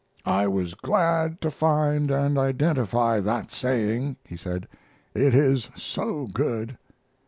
"I was glad to find and identify that saying," he said; "it is so good."